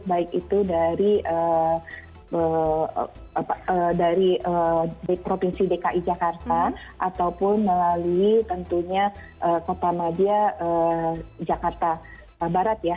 baik itu dari provinsi dki jakarta ataupun melalui tentunya kota madia jakarta barat ya